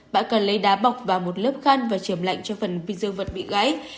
bạn cần lấy đá bọc vào một lớp khăn và trường lạnh cho phần dương vật bị gãy